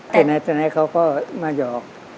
แต่ไหนเขามาหยอก